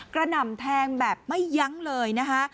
หน่ำแทงแบบไม่ยั้งเลยนะคะ